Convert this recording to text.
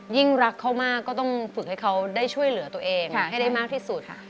ยิ่งรักเขามากก็ต้องฝึกให้เขาได้ช่วยเหลือตัวเองให้ได้มากที่สุดค่ะ